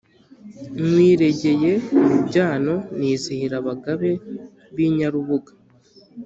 nywiregeye mu byano nizihira abagabe b'inyarubuga,